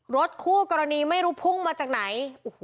รถคู่กรณีไม่รู้พุ่งมาจากไหน